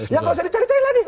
ya kalau saya dicari cari lagi